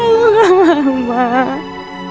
aku gak mau mak